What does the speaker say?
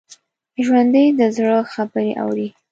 ژوندي د زړه خبرې اوري